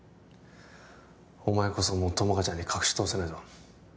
お前こそもう友果ちゃんに隠しとおせないだろ